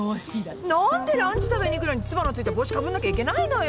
なあんでランチ食べに行くのにつばの付いた帽子かぶんなきゃいけないのよ？